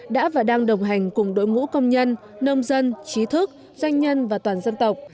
đã và đang đồng hành cùng đội ngũ công nhân nông dân trí thức doanh nhân và toàn dân tộc